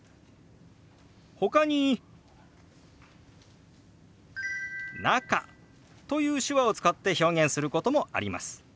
ほかに「中」という手話を使って表現することもあります。